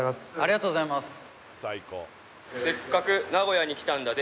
はい「せっかく名古屋に来たんだで」